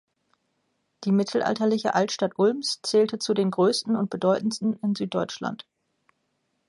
Die mittelalterliche Altstadt Ulms zählte zu den größten und bedeutendsten in Süddeutschland.